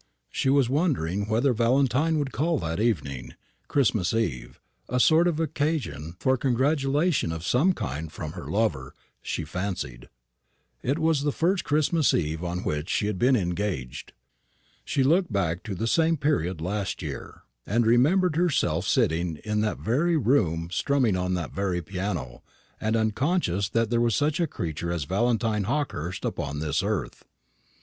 She was wondering whether Valentine would call that evening, Christmas eve a sort of occasion for congratulation of some kind from her lover, she fancied. It was the first Christmas eve on which she had been "engaged." She looked back to the same period last year, and remembered herself sitting in that very room strumming on that very piano, and unconscious that there was such a creature as Valentine Hawkehurst upon this earth.